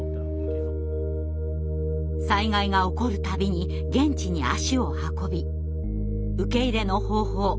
災害が起こる度に現地に足を運び受け入れの方法